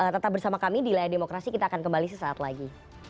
tetap bersama kami di layar demokrasi kita akan kembali sesaat lagi